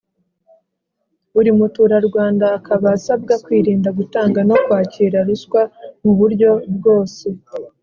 Buri muturarwanda akaba asabwa kwirinda gutanga no kwakira ruswa mu buryo bwose,